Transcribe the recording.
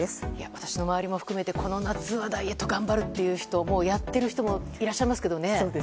私の周りも含めて、この夏はダイエット頑張るという人もうやっている人もいらっしゃいますけどね。